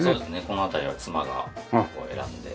この辺りは妻が選んで。